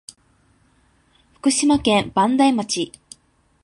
福島県磐梯町